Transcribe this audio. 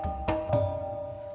apa kabar kau gemara